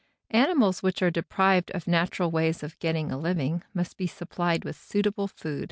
Animals which are deprived of natural ways of getting a living must be supplied with suitable food."